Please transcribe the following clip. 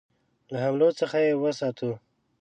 له حملو څخه یې وساتو.